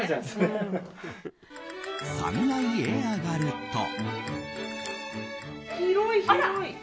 ３階へ上がると。